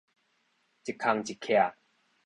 一空一隙